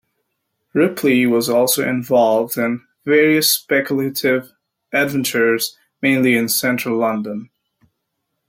Ripley was also involved in various speculative adventures, mainly in central London.